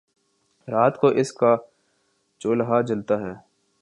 رات کو اس کا چولہا جلتا ہے